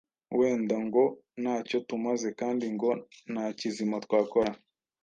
wenda ngo nta cyo tumaze kandi ngo nta kizima twakora